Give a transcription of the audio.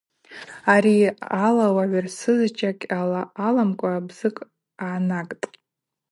Ари ала уагӏвырсыз чакь аламкӏва бзыкӏ йгӏанагтӏ.